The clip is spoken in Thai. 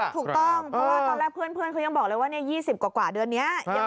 ถูกต้องเพราะว่าตอนแรกเพื่อนเขายังบอกเลยว่า๒๐กว่าเดือนนี้